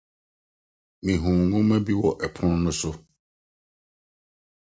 Mihu nhoma bi wɔ ɔpon no so.